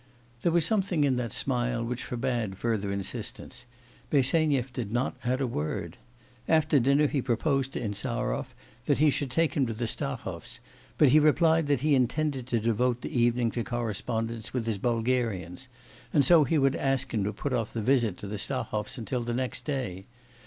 There was something in that smile which forbade further insistence; Bersenyev did not add a word. After dinner he proposed to Insarov that he should take him to the Stahovs; but he replied that he had intended to devote the evening to correspondence with his Bulgarians, and so he would ask him to put off the visit to the Stahovs till next day.